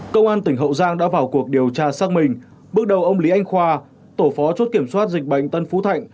công an tỉnh hậu giang đã vào cuộc điều tra xác minh bước đầu ông lý anh khoa tổ phó chốt kiểm soát dịch bệnh tân phú thạnh